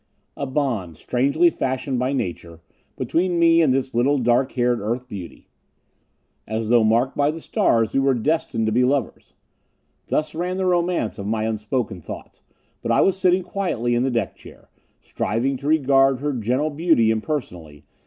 A bond, strangely fashioned by nature, between me and this little dark haired Earth beauty. As though marked by the stars we were destined to be lovers.... Thus ran the romance of my unspoken thoughts. But I was sitting quietly in the deck chair, striving to regard her gentle beauty impersonally.